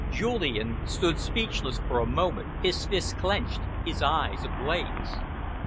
Julian stood speechless for a moment, his fists clenched, his eyes ablaze.